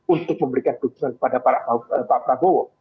untuk memberikan dukungan kepada pak pranowo